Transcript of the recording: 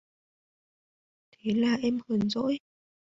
Thế là em hờn dỗi